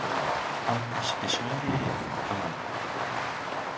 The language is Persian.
آتشفشان فعال